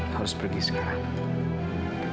harus pergi sekarang